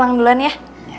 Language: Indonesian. pulang duluan ya